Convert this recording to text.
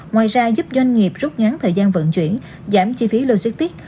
ngoài ra giúp doanh nghiệp rút ngắn thời gian vận chuyển giảm chi phí logistics